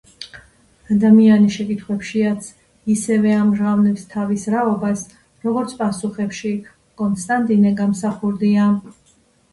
ადამიანი შეკითხვებშიაც ისევე ამჟღავნებს თავის რაობას, როგორც პასუხებში.” – კონსტანტინე გამსახურდია.